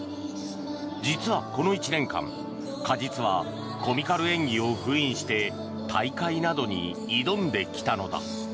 実は、この１年間鹿実はコミカル演技を封印して大会などに挑んできたのだ。